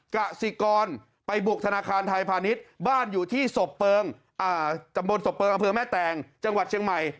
กัสสิกรไปบุกธนาคารไทยพาณิชย์บ้านอยู่ที่สบเปิงจังหวัดเชียงใหม่